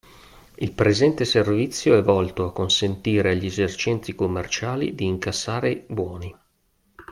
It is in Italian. Il presente servizio è volto a consentire agli esercenti commerciali di incassare i buoni